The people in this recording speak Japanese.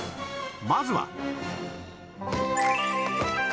まずは